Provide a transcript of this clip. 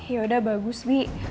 yaudah bagus bi